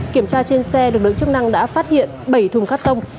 kiểm tra trên xe lực lượng chức năng đã phát hiện bảy thùng cắt tông